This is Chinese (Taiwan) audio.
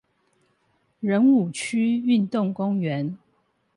仁武區運動公園